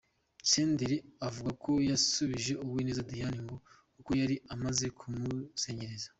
Senderi avuga ko yasubije Uwineza Diane ngo kuko yari amaze kumuzengereza.